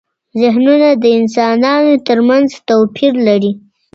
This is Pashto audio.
زهنونه د انسانانو ترمنځ توپیر لري.